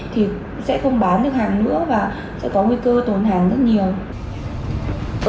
thì sẽ không bán được hàng nữa và sẽ có nguy cơ tốn hàng rất nhiều